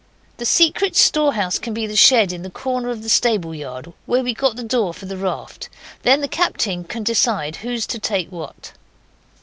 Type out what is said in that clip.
The secret storehouse can be the shed in the corner of the stableyard where we got the door for the raft. Then the captain can decide who's to take what.